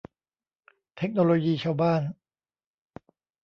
เทคโนโลยีชาวบ้าน